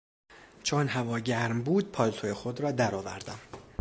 چون هوا گرم بود پالتو خود را در آوردم.